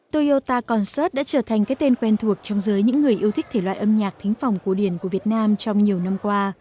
toyota concert đã trở thành cái tên quen thuộc trong giới những người yêu thích thể loại âm nhạc thính phòng cổ điển của việt nam trong nhiều năm qua